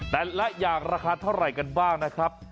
แต่ละอย่างราคาเท่าไหร่กันบ้างนะครับ